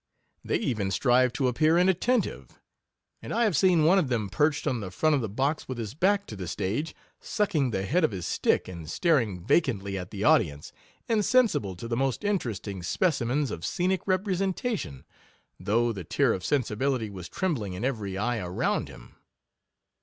They even strive to appear inattentive ; and I have seen one of them perched on the front of the box with his back to the stage, sacking the head of his stick, and staring vacantly at the audi ence, insensible to the most interesting speci mens of scenic representation, though the tear of sensibility was trembling in every eye around him.